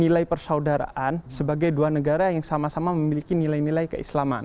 raja salman terus menegaskan bahwa dia memiliki nilai persaudaraan sebagai dua negara yang sama sama memiliki nilai nilai keislaman